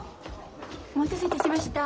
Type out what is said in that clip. お待たせいたしました。